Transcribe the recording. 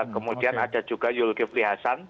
kemudian ada juga yul givli hasan